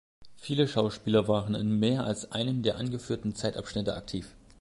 Viele Schauspieler waren in mehr als einem der angeführten Zeitabschnitte aktiv.